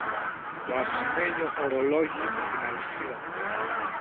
το ασημένιο ωρολόγι με την αλυσίδα του